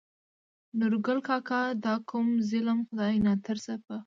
نورګل کاکا : دا کوم ظلم خداى ناترسه په